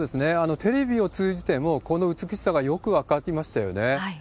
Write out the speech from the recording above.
テレビを通じても、この美しさがよく分かりましたよね。